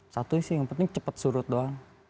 satu sih yang penting cepat surut doang